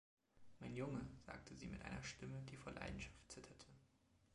"Mein Junge!", sagte sie mit einer Stimme, die vor Leidenschaft zitterte.